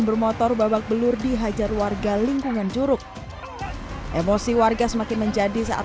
bermotor babak belur dihajar warga lingkungan curug emosi warga semakin menjadi saat